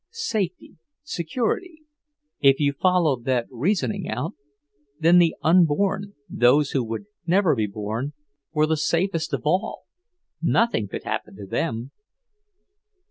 Safety, security; if you followed that reasoning out, then the unborn, those who would never be born, were the safest of all; nothing could happen to them.